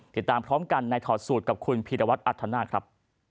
ติดตามพร้อมกันในถอดสูตรกับคุณพีรวัตรอัธนาคครับ